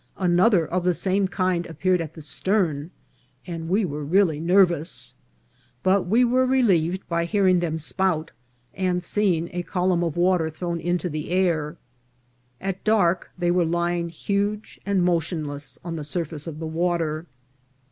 Another of the same kind appeared at the stern, and we were really nervous ; but we were relieved by hearing them spout, and seeing a column of water thrown into the air. At dark they were lying huge and motionless on the surface of the water.